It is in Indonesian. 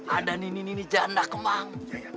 ada nini nini janda kemang